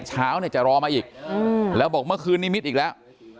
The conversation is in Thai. เช้าเนี่ยจะรอมาอีกแล้วบอกเมื่อคืนนิมิตรอีกแล้ว